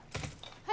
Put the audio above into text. はい？